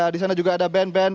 di sana juga ada ben